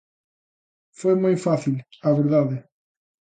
Foi moi fácil, a verdade.